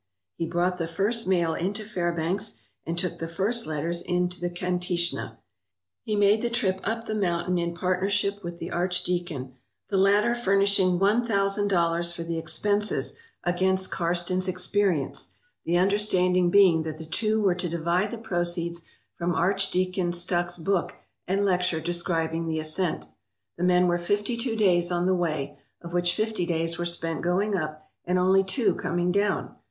He brought the first mail into Fairbanks and took the first letters into the Kantishna. He made the trip up the mountain in partnership with the archdeacon, the latter furnishing one thousand dollars for the expenses against Karstens* 286 MOUNT McKINLEY, THE "MOST HIGH" experience, the understanding being that the two were to divide the proceeds from Archdeacon Stuck' s book and lecture describing the ascent. The men were fifty two days on the way, of which fifty days were spent going up and only two coming down.